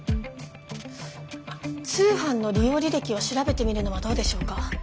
通販の利用履歴を調べてみるのはどうでしょうか。